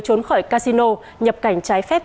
trốn khỏi casino nhập cảnh trái phép